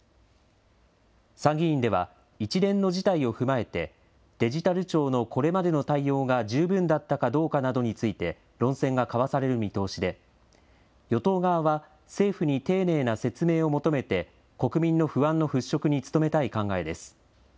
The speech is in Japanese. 参議院では一連の事態を踏まえて、デジタル庁のこれまでの対応が十分だったかどうかなどについて、論戦が交わされる見通しで、与党側は、政府に丁寧な説明を求めて、国民の不安の払拭に努めたい考えです。